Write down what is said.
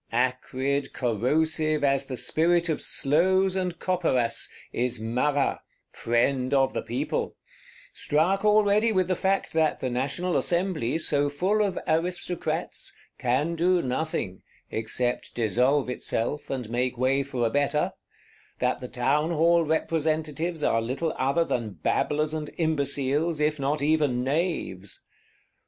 Acrid, corrosive, as the spirit of sloes and copperas, is Marat, Friend of the People; struck already with the fact that the National Assembly, so full of Aristocrats, "can do nothing," except dissolve itself, and make way for a better; that the Townhall Representatives are little other than babblers and imbeciles, if not even knaves.